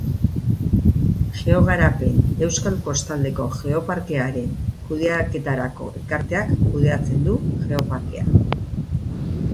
Geogarapen, Euskal Kostaldeko Geoparkearen kudeaketarako Elkarteak kudeatzen du Geoparkea.